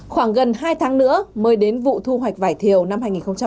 khoảng gần hai tháng nữa mới đến vụ thu hoạch vải thiều năm hai nghìn hai mươi